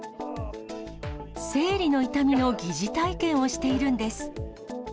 生理の痛みの疑似体験をしているんです。